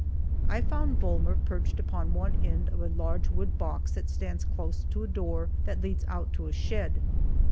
I found Volmer perched upon one end of a large wood box that stands close to a door that leads out to a shed.